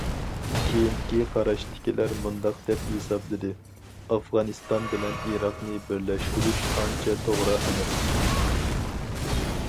كېيىنكى قاراشتىكىلەر مۇنداق دەپ ھېسابلىدى: ئافغانىستان بىلەن ئىراقنى بىرلەشتۈرۈش ئانچە توغرا ئەمەس.